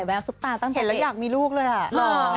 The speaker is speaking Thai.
เห็นแล้วอยากมีลูกเลยอ่ะ